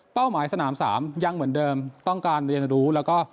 หมายสนาม๓ยังเหมือนเดิมต้องการเรียนรู้แล้วก็